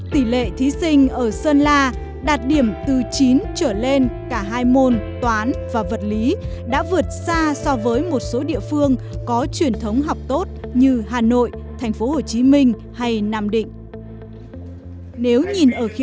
tỷ lệ thí sinh ở sơn la đạt điểm từ chín trở lên cả hai môn toán và vật lý đã vượt xa so với một số địa phương có truyền thống học tốt như hà nội tp hcm hay nam định